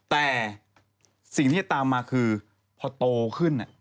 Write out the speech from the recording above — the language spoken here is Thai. แต่สิ่งที่จะตามมาคือพอโตขึ้น